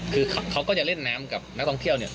คือเขาก็จะเล่นน้ำกับนักท่องเที่ยวเนี่ย